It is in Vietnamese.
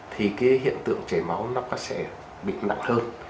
thì cái hiện tượng chảy máu nó sẽ bị nặng hơn